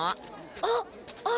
あっあれ！